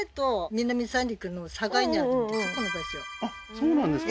そうなんですか？